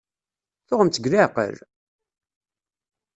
Tuɣem-tt deg leɛqel?